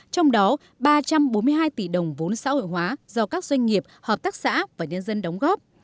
trong đó ba trăm bốn mươi hai tỷ đồng vốn xã hội hóa do các doanh nghiệp hợp tác xã và nhân dân đóng góp